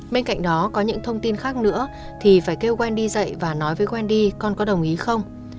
bên cạnh đó có những thông tin khác nữa thì phải kêu quen đi dạy và nói với quen đi con có đồng ý không